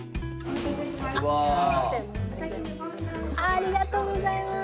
ありがとうございます！